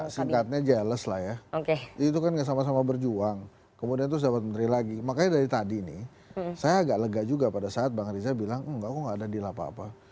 singkatnya jales lah ya itu kan sama sama berjuang kemudian terus dapat menteri lagi makanya dari tadi nih saya agak lega juga pada saat bang riza bilang enggak kok gak ada deal apa apa